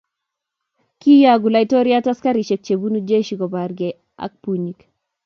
kiiyoku laitoriat askarisiek chebunu jeshi kobargei ak bunyik.